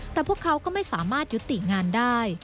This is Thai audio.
แต่พวกเขาก็ไม่สามารถยุติงานได้